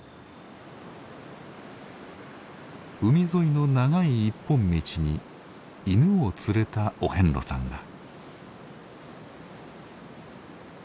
海沿いの長い一本道に犬を連れたお遍路さんが。